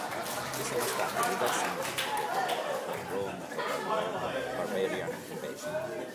Ci sono state diverse modifiche prodotte per "Rome Total War: Barbarian Invasion".